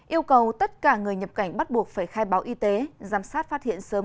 yêu cầu tất cả người nhập cảnh bắt buộc phải khai báo y tế giám sát phát hiện sớm